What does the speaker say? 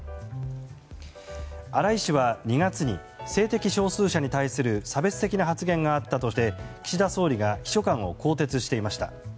荒井氏は２月に性的少数者に対する差別的な発言があったとして岸田総理が秘書官を更迭していました。